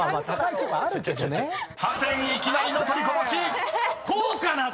［ハセンいきなりの取りこぼし！］